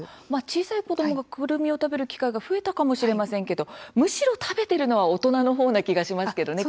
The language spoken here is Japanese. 小さい子どもがくるみを食べる機会が増えたかもしれませんけどむしろ食べているのは大人のほうな気がしますけどね